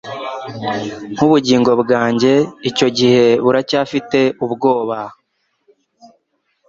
nkubugingo bwanjye icyo gihe buracyafite ubwoba